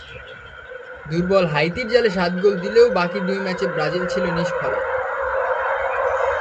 দুর্বল হাইতির জালে সাত গোল দিলেও বাকি দুই ম্যাচে ব্রাজিল ছিল নিষ্ফলা।